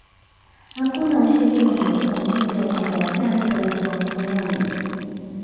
Hakuna ushahidi wa moja kwa moja kwamba wakazi walikuwa wakoloni